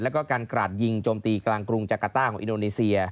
แล้วก็การกราดยิงโจมตีกลางกรุงจักรต้าของอินโดนีเซีย